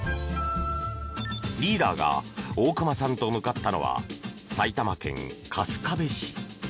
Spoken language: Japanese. リーダーが大熊さんと向かったのは埼玉県春日部市。